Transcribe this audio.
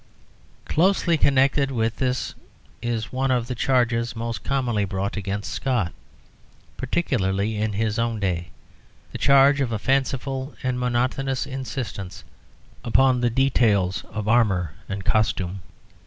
Closely connected with this is one of the charges most commonly brought against Scott, particularly in his own day the charge of a fanciful and monotonous insistence upon the details of armour and costume.